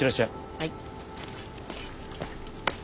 はい。